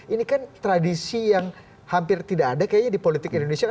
ini kan tradisi yang hampir tidak ada kayaknya di politik indonesia